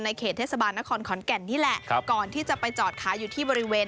เขตเทศบาลนครขอนแก่นนี่แหละก่อนที่จะไปจอดขายอยู่ที่บริเวณ